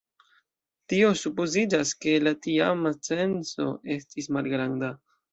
Tio supozigas, ke la tiama censo estis malgranda.